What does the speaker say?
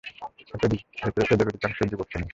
এদের অধিকাংশই যুবক শ্রেণীর।